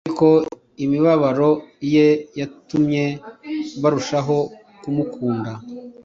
ariko imibabaro ye yatumye barushaho kumukunda.